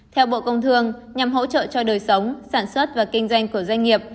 theo bộ công thương nhằm hỗ trợ cho đời sống sản xuất và kinh doanh của doanh nghiệp